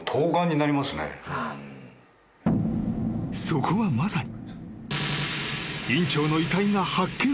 ［そこはまさに］